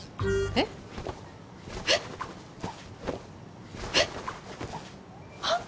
えっ！？はっ！？